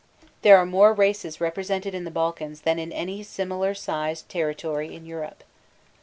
There are more races represented in the Balkans than in any similar sized territory in Europe.